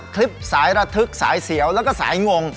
คลิปสายระทึกสายเสียวแล้วก็สายงง